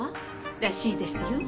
らしいですよ。